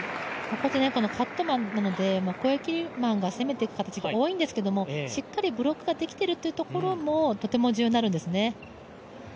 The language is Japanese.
カットマンなので攻めてく形が多いんですけどもしっかりブロックができているというところもとても重要になるんですね。